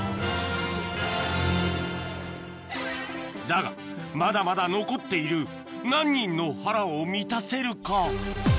だがまだまだ残っている何人の腹を満たせるか？